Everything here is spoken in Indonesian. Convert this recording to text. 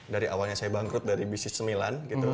dari awalnya saya bangkrut dari bisnis sembilan gitu